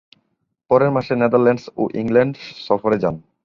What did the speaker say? পরের মাসে নেদারল্যান্ডস ও ইংল্যান্ড সফরে যান।